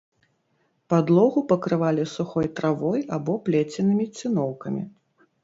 Падлогу пакрывалі сухой травой або плеценымі цыноўкамі.